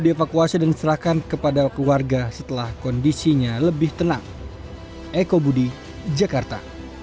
dievakuasi dan diserahkan kepada keluarga setelah kondisinya lebih tenang eko budi jakarta